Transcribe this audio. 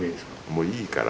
もういいから。